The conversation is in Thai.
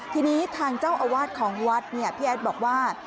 ทีนี้ทางเจ้าอาวาสของวัดเนี่ยพี่แอดบอกว่า